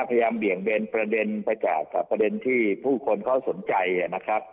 เบี่ยงเบนประเด็นไปจากประเด็นที่ผู้คนเขาสนใจนะครับ